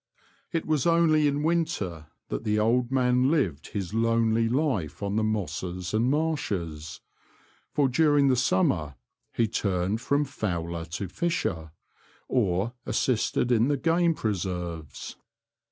It was only in winter that the old man lived his lonely life on the mosses and marshes, for during the summer he turned from fowler to fisher, or assisted in the game preserves.